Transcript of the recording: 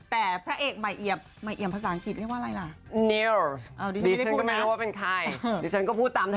แต่พระเอกใหม่เอียบภาษาอังกฤษเรียกว่าอะไรล่ะ